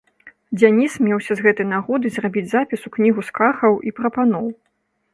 Дзяніс меўся з гэтай нагоды зрабіць запіс у кнігу скаргаў і прапаноў.